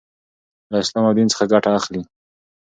لـه اسـلام او ديـن څـخه ګـټه اخـلي .